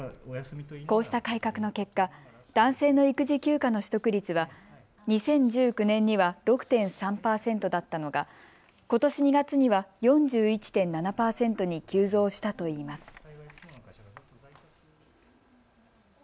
こうした改革の結果、男性の育児休暇の取得率が２０１６年には６．３％だったのがことし２月には４１．７％に急増したといいます。